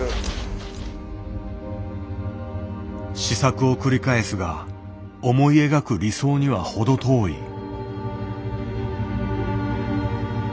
試作を繰り返すが思い描く理想には程遠い。